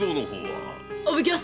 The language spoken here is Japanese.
お奉行様！